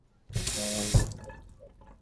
এভাবেই আমরা অনন্তকাল খেলা করিব।